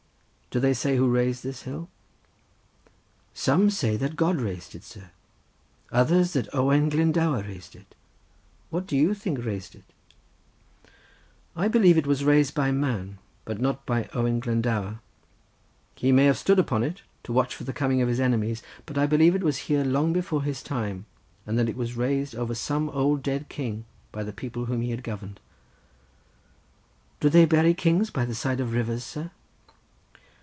"Do they say who raised this hill?" "Some say that God raised it, sir; others that Owain Glendower raised it. Who do you think raised it?" "I believe that it was raised by man, but not by Owen Glendower. He may have stood upon it, to watch for the coming of his enemies, but I believe it was here long before his time, and that it was raised over some old dead king by the people whom he had governed." "Do they bury kings by the side of rivers, sir?"